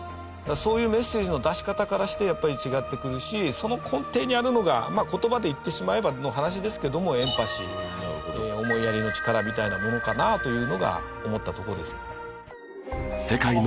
そういうメッセージの出し方からしてやっぱり違ってくるしその根底にあるのが言葉で言ってしまえばの話ですけどもエンパシー思いやりの力みたいなものかなというのが思ったところですね。